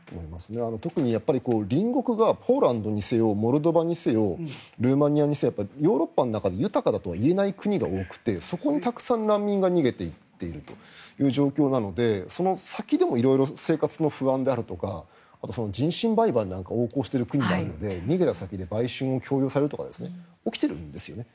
特に隣国がポーランドにせよモルドバにせよルーマニアにせよヨーロッパの中で豊かだとはいえない国が多くてそこにたくさん難民が逃げていっているという状況なのでその先でも色々、生活の不安であるとか人身売買なんかが横行している国なわけで逃げた先で売春を強要されるとか起きているんですね。